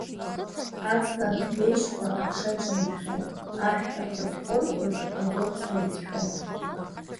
Аҵла абӷьҩежьқәа аԥша иҿнаршәон, ашәҭ апытҟәыр хәыҷ агәылҵра иацәшәон.